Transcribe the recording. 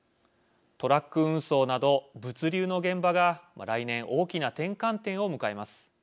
トラック運送など物流の現場が来年大きな転換点を迎えます。